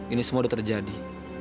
ini semua udah terjadi